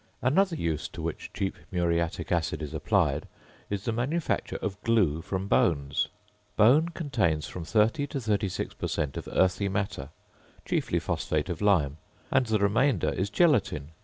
Another use to which cheap muriatic acid is applied, is the manufacture of glue from bones. Bone contains from 30 to 36 per cent. of earthy matter chiefly phosphate of lime, and the remainder is gelatine.